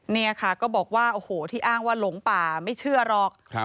นี่ค่ะก็บอกว่าโอ้โหที่อ้างว่าหลงป่าไม่เชื่อหรอก